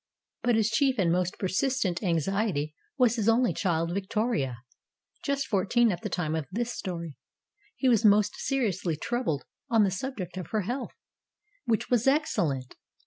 But his chief and most persistent anxiety was his only child Victoria, just fourteen at the time of this story. He was most seriously troubled on the subject of her health, which was excellent.